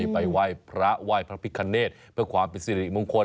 ไปไหว้พระไหว้พระพิคเนธเพื่อความเป็นสิริมงคล